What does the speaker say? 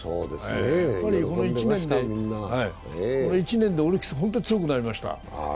やっぱりこの１年でオリックス本当に強くなりました。